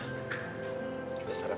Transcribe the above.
kita sarapin ya